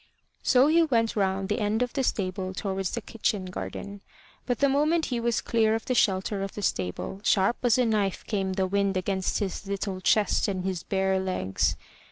So he went round the end of the stable towards the kitchen garden. But the moment he was clear of the shelter of the stable, sharp as a knife came the wind against his little chest and his bare legs.